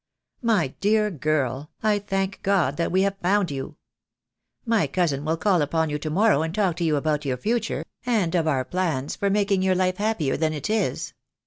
My dear girl, I thank God that wTe have found you. My cousin will call upon you to morrow and talk to you about your future — and of our plans for making your life happier than it is."